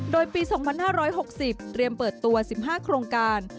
โดยปี๒๕๖๐เตรียมเปิดตัว๑๕โครงการ